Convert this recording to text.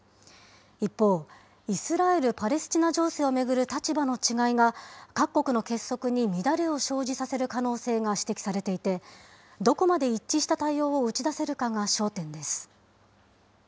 一方、イスラエル・パレスチナ情勢を巡る立場の違いが、各国の結束に乱れを生じさせる可能性が指摘されていて、どこまで一致した対応を打ち出せるかが焦点です。